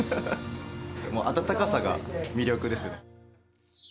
もう温かさが魅力ですね。